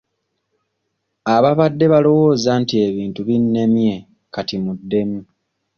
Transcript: Ababadde mulowooza nti ebintu binnemye kati muddemu.